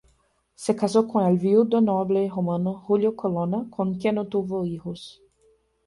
Se casó con el viudo noble romano Julio Colonna con quien no tuvo hijos.